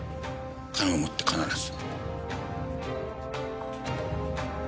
金を持って必ず。